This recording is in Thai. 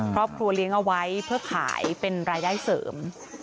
ครอบครัวเลี้ยงเอาไว้เพื่อขายเป็นรายได้เสริม